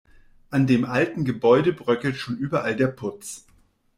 An dem alten Gebäude bröckelt schon überall der Putz.